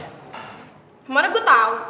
kemarin gue tau